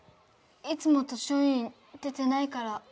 いつも図書委員出てないから。